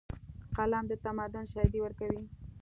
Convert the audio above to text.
قلم د تمدن شاهدي ورکوي.